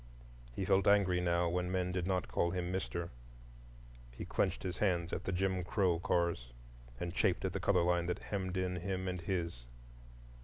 He felt angry now when men did not call him "Mister," he clenched his hands at the "Jim Crow" cars, and chafed at the color line that hemmed in him and his.